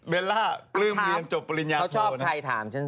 เบลล่ากลืมเหรียญจบปริญญาโทร